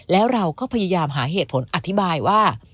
แล้วเราก็พยายามหาเหตุผลอธิบายว่า